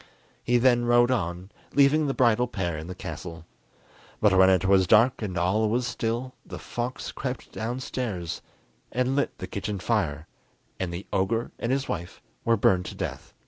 He then rode on, leaving the bridal pair in the castle. But when it was dark and all was still, the fox crept downstairs and lit the kitchen fire, and the ogre and his wife were burned to death.